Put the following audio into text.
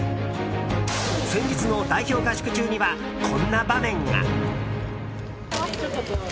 先日の代表合宿中にはこんな場面が。